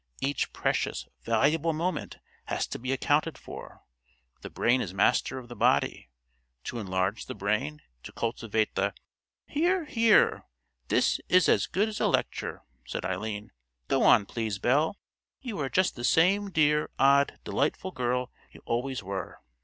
Each precious, valuable moment has to be accounted for. The brain is master of the body. To enlarge the brain, to cultivate the——" "Hear! hear! This is as good as a lecture," said Eileen. "Go on, please, Belle; you are just the same dear, odd, delightful girl you always were."